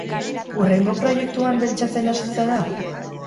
Hurrengo proiektuan pentsatzen hasi zara?